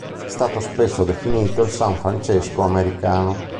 È stato spesso definito il “San Francesco americano”.